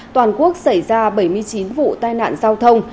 toàn quốc xảy ra bảy mươi chín vụ tai nạn giao thông